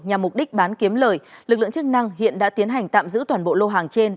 nhằm mục đích bán kiếm lời lực lượng chức năng hiện đã tiến hành tạm giữ toàn bộ lô hàng trên